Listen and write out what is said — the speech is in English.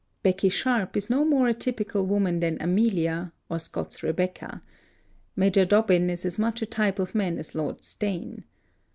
Becky Sharp is no more a typical woman than Amelia, or Scott's Rebecca. Major Dobbin is as much a type of men as Lord Steyne.